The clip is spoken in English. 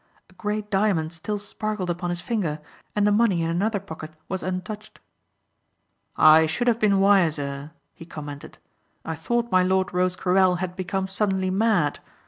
A great diamond still sparkled upon his finger and the money in another pocket was untouched. "I should have been wiser," he commented. "I thought my lord Rosecarrel had become suddenly mad.